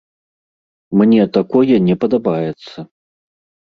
Мне такое не падабаецца.